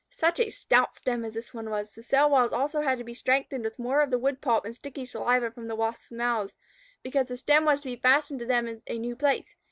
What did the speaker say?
Such a stout stem as this one was! The cell walls also had to be strengthened with more of the wood pulp and sticky saliva from the Wasps' mouths, because the stem was to be fastened to them in a new place.